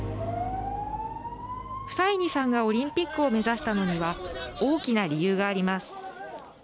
フサイニさんがオリンピックを目指したのには大きな理由があります。